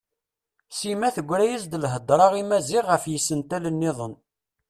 Sima tegra-as-d lhedra i Maziɣ ɣef yisental-nniḍen.